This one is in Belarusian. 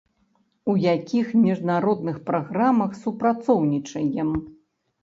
У якіх міжнародных праграмах супрацоўнічаем.